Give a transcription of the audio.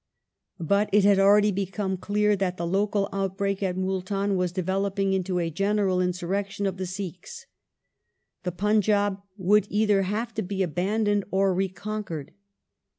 But it had already become clear that the local outbreak at Multan was developing into a general insurrection of the Sikhs. The Punjab would either have to be abandoned or reconquered.